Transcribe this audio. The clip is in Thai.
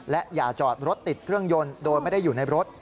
และอย่าจอดรถติดเครื่องยนต์โดยไม่ได้อยู่ในรถ